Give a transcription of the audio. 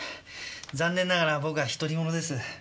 残念ながら僕は独り者です。